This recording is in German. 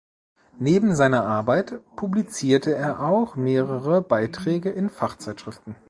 Neben seiner Arbeit publizierte er auch mehrere Beiträge in Fachzeitschriften.